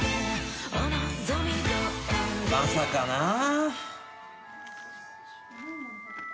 まさかな。